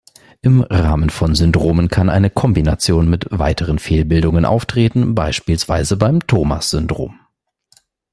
Im Rahmen von Syndromen kann eine Kombination mit weiteren Fehlbildungen auftreten, beispielsweise beim Thomas-Syndrom.